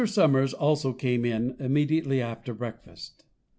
Somers also came in immediately after breakfast.